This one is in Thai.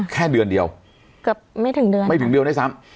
แค่เดือนเดียวเกือบไม่ถึงเดือนไม่ถึงเดือนด้วยซ้ำ